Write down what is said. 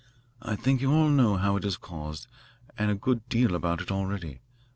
"I think you all know how it is caused and a good deal about it already.